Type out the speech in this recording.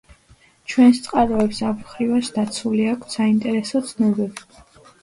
ჩვენს წყაროებს ამ მხრივაც დაცული აქვთ საინტერესო ცნობები.